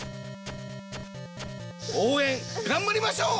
応援がんばりましょう！